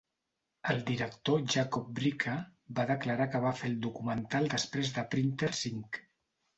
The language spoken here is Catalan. El director Jacob Bricca va declarar que va fer el documental després de "Printers Inc".